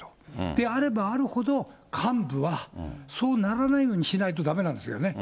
であればあるほど、幹部はそうならないようにしないとだめなんですけどね。